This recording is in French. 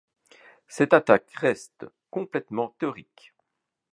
Cette attaque reste complètement théorique.